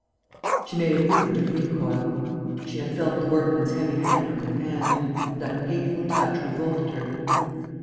She made a movement of recoil. She had felt the workman's heavy hand on her hand; and that hateful touch revolted her.